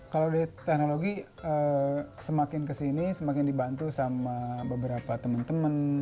kalau dari teknologi semakin kesini semakin dibantu sama beberapa teman teman